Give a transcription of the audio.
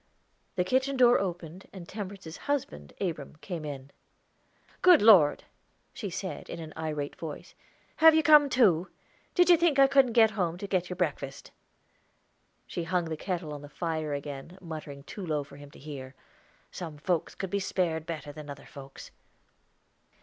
The kitchen door opened, and Temperance's husband, Abram, came in. "Good Lord!" she said in an irate voice, "have you come, too? Did you think I couldn't get home to get your breakfast?" She hung the kettle on the fire again, muttering too low for him to hear: "Some folks could be spared better than other folks."